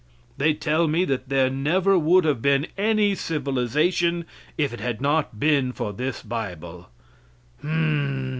They tell me that there never would have been any civilization if it had not been for this bible.